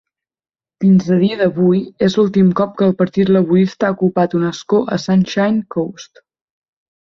Fins a dia d'avui, és l'últim cop que el Partit Laborista ha ocupat un escó a Sunshine Coast.